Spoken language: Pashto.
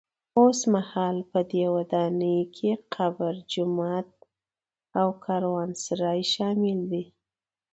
اوسمهال په دې ودانۍ کې قبر، جومات او کاروانسرای شامل دي.